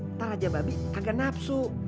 ntar aja babi kagak nafsu